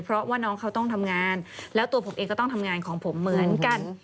เพราะว่าน้องเขาต้องทำงานแล้วตัวผมเองก็ต้องทำงานของผมเหมือนกัน